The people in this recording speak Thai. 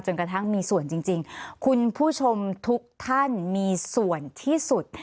กระทั่งมีส่วนจริงคุณผู้ชมทุกท่านมีส่วนที่สุด